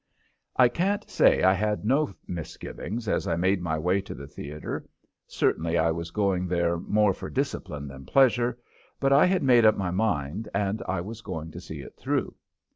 I can't say I had no misgivings as I made my way to the theater; certainly I was going there more for discipline than pleasure, but I had made up my mind and I was going to see it through.